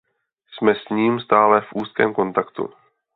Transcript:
Jsme s ním stále v úzkém kontaktu.